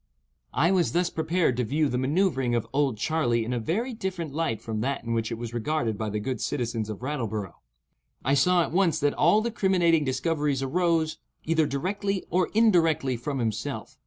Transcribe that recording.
I was thus prepared to view the manoeuvering of "Old Charley" in a very different light from that in which it was regarded by the good citizens of Rattleborough. I saw at once that all the criminating discoveries arose, either directly or indirectly, from himself.